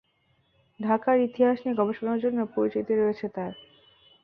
ঢাকার ইতিহাস নিয়ে গবেষণার জন্য পরিচিতি রয়েছে তার।